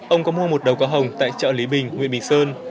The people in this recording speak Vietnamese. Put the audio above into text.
ông có mua một đầu có hồng tại chợ lý bình huyện bình sơn